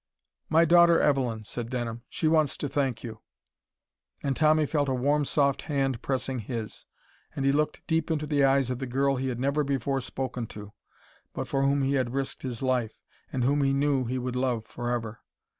"My daughter Evelyn," said Denham. "She wants to thank you." And Tommy felt a warm soft hand pressing his, and he looked deep into the eyes of the girl he had never before spoken to, but for whom he had risked his life, and whom he knew he would love forever.